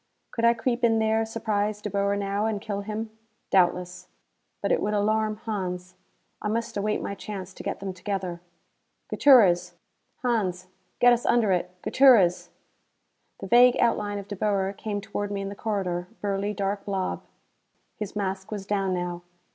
Could I creep in there, surprise De Boer now, and kill him? Doubtless. But it would alarm Hans. I must await my chance to get them together. "Gutierrez! Hans, get us under it! Gutierrez!" The vague outline of De Boer came toward me in the corridor, burly dark blob. His mask was down now.